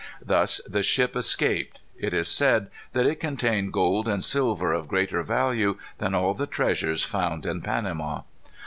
Thus the ship escaped. It is said that it contained gold and silver of greater value than all the treasures found in Panama.